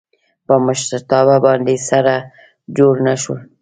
په مشرتابه باندې سره جوړ نه شول.